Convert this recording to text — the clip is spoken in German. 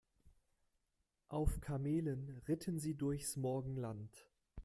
Auf Kamelen ritten sie durchs Morgenland.